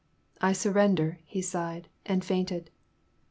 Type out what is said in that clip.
I surrender,'* he sighed, and fainted.